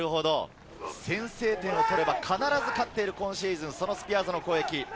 先制点を取れば、必ず勝っている今シーズン、そのスピアーズの攻撃です。